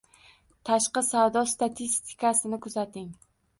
Tashqi savdo statistikasini kuzating